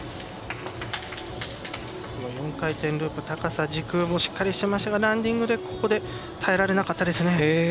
この４回転ループ高さ、軸もしっかりしていましたがランディングで耐えられなかったですね。